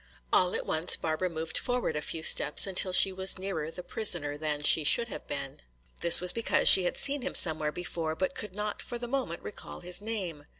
All at once Barbara moved forward a few steps until she was nearer the prisoner than she should have been. This was because she had seen him somewhere before but could not for the moment recall his name.